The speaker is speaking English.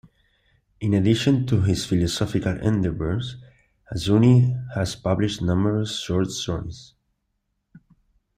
In addition to his philosophical endeavors, Azzouni has published numerous short stories.